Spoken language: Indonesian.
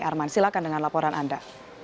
arman silakan dengan laporan anda